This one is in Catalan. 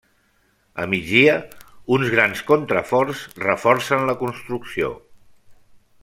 A migdia uns grans contraforts reforcen la construcció.